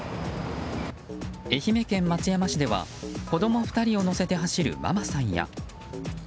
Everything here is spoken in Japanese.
愛媛県松山市では子供２人を乗せて走るママさんや。